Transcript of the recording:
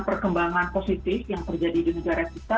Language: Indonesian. perkembangan positif yang terjadi di negara kita